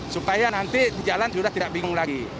supaya nanti di jalan sudah tidak bingung lagi